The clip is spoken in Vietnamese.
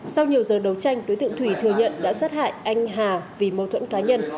sau nhiều giờ đấu tranh đối tượng thủy thừa nhận đã sát hại anh hà vì mâu thuẫn cá nhân